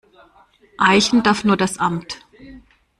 Eichen darf nur das Amt.